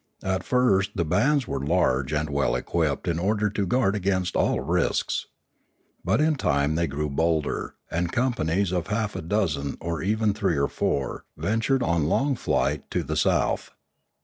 At first the bands were large and well equipped in order to guard against all risks. But in time they grew bolder, and companies of half a dozen, or even three or four, ventured on the long flight to the south.